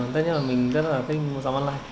tất nhiên là mình rất là thích mua giáo online